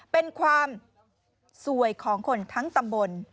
เป็นความสวยของคนทั้งตำบล